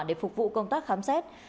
để phục vụ công tác khám xét